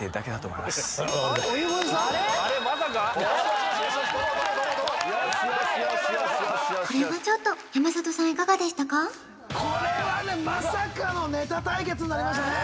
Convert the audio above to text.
これはちょっとこれはねまさかのネタ対決になりましたね